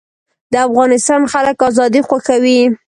د افغانستان خلک ازادي خوښوي